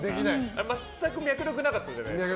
全く脈絡なかったじゃないですか。